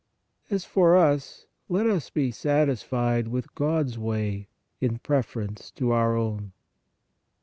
As for us, let us be satis fied with God s way in preference to our own.